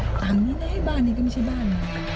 ต่างนี้นะบ้านนี้ก็ไม่ใช่บ้าน